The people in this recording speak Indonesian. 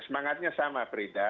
semangatnya sama frida